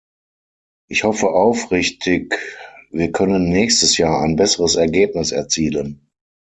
Ich hoffe aufrichtig, wir können nächstes Jahr ein besseres Ergebnis erzielen.